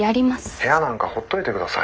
部屋なんかほっといてください。